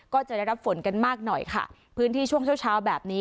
ก็จะได้รับฝนกันมากหน่อยค่ะพื้นที่ช่วงเช้าเช้าแบบนี้